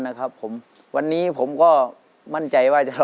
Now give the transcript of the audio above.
๕๕๑๔๑๙๓๙นะครับหมอลำสายไหมดาวเหนือ